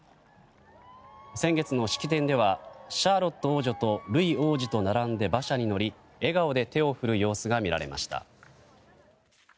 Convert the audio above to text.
先月の式典ではシャーロット王女とルイ王子と並んで馬車に乗り笑顔で手を振る様子が見られました。